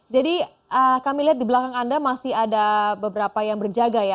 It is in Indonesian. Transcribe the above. jadi kami lihat di belakang anda masih ada beberapa yang berjaga ya